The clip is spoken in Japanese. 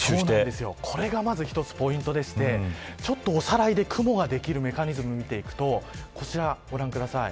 これが一つポイントでしてちょっと、おさらいで雲ができるメカニズムを見ていくとこちらご覧ください。